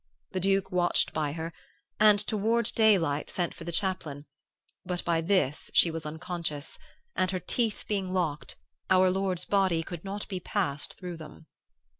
The Duke watched by her, and toward daylight sent for the chaplain; but by this she was unconscious and, her teeth being locked, our Lord's body could not be passed through them.